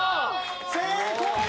成功！